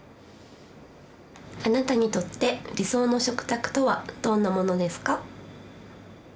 あなたにとって理想の食卓とはどんなものですか？